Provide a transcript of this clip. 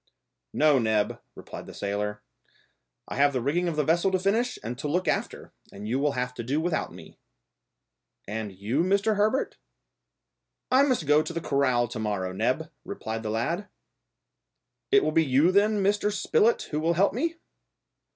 "No, Neb," replied the sailor; "I have the rigging of the vessel to finish and to look after, and you will have to do without me." "And you, Mr. Herbert?" "I must go to the corral to morrow, Neb," replied the lad. "It will be you then, Mr. Spilett, who will help me?"